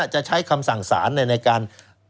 จะใช้คำสั่งสารในการ